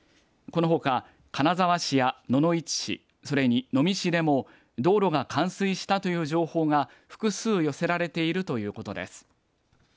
このほか金沢市や野々市市それに能美市でも道路が冠水したという情報が複数寄せられているということです。